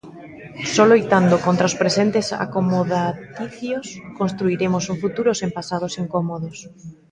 Só loitando contra os presentes acomodaticios construiremos un futuro sen pasados incómodos.